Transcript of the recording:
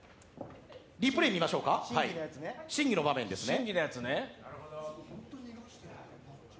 リプレー見ましょうか、審議の場面ですね。